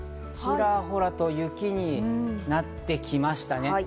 ちらほらと雪になってきましたね。